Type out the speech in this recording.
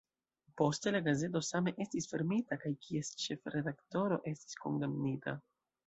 Poste la gazeto same estis fermita, kaj kies ĉefredaktoro estis kondamnita.